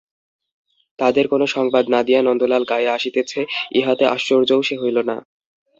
তাদের কোনো সংবাদ না দিয়া নন্দলাল গায়ে আসিতেছে ইহাতে আশ্চর্যও সে হইল না।